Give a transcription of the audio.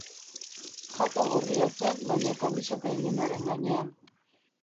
Jaka gorria zen, baina kamiseta ilunaren gainean...